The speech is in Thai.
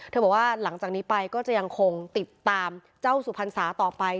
บอกว่าหลังจากนี้ไปก็จะยังคงติดตามเจ้าสุพรรษาต่อไป